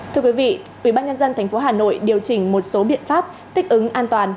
thưa quý vị ubnd tp hà nội điều chỉnh một số biện pháp thích ứng an toàn